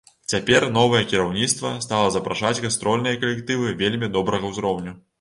Цяпер новае кіраўніцтва стала запрашаць гастрольныя калектывы вельмі добрага ўзроўню.